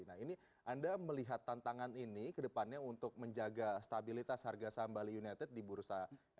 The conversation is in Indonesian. nah ini anda melihat tantangan ini ke depannya untuk menjaga stabilitas harga saham bali united di bursa